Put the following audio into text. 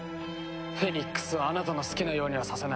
フェニックスをあなたの好きなようにはさせない。